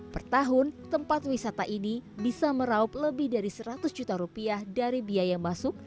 per tahun tempat wisata ini bisa meraup lebih dari seratus juta rupiah dari biaya masuk